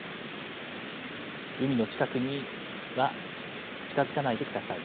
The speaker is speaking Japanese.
海の近くには近づかないでください。